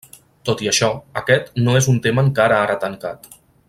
Tot i això, aquest no és un tema encara ara tancat.